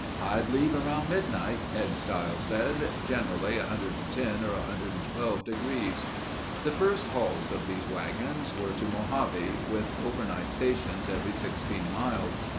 "I'd leave around midnight," Ed Stiles said. "Generally 110 or 112 degrees." The first hauls of these wagons were to Mojave, with overnight stations every sixteen miles.